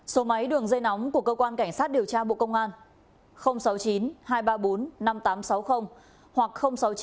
số máy đường dây nóng của cơ quan cảnh sát điều tra bộ công an sáu mươi chín hai trăm ba mươi bốn năm nghìn tám trăm sáu mươi hoặc sáu mươi chín hai trăm ba mươi hai một nghìn sáu trăm sáu mươi